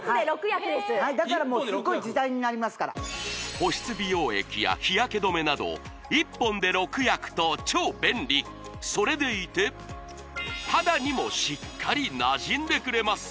１つで６役ですだからもうすごい時短になりますから保湿美容液や日焼け止めなど１本で６役と超便利それでいて肌にもしっかりなじんでくれます